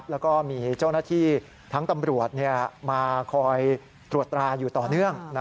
แล้วก็มีเจ้าหน้าที่ทั้งตำรวจมาคอยตรวจตราอยู่ต่อเนื่อง